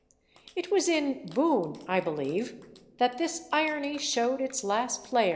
It was in "Boon," I believe, that this irony showed its last flare.